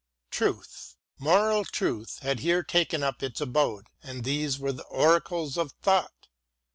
Truth, moral truth had here taken up its abode and these were the oracles of thought.